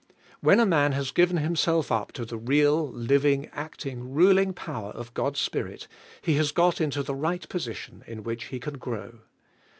When a man has given himself up to the real, living, acting, ruling power of God's Spirit, he has got into the right position in which he can grow.